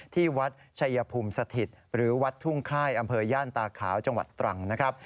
ที่วัดชัยภูมิสถิตหรือวัดทุ่งค่ายอำเภอย่านตาขาวจังหวัดตรังนะครับ